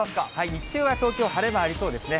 日中は東京、晴れ間ありそうですね。